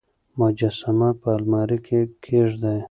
مجسمه په المارۍ کې کېږدئ.